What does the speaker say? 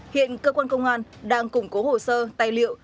hiện cơ quan công an đang củng cố hồ sơ tài liệu